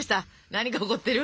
何が起こってる？